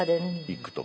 行くとか。